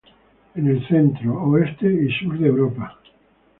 En el centro, oeste y sur de Europa.